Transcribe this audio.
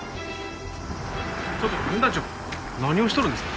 ちょっと分団長何をしとるんですか？